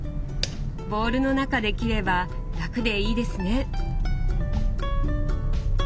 ボウルの中で切れば楽でいいですね。